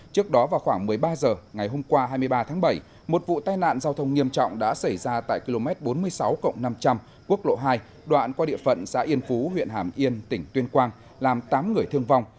trước đó vào khoảng một mươi ba h ngày hôm qua hai mươi ba tháng bảy một vụ tai nạn giao thông nghiêm trọng đã xảy ra tại km bốn mươi sáu năm trăm linh quốc lộ hai đoạn qua địa phận xã yên phú huyện hàm yên tỉnh tuyên quang làm tám người thương vong